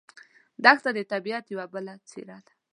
دښته د طبیعت یوه بله څېره ده.